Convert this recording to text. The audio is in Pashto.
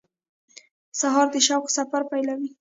سهار د شوق سفر پیلوي.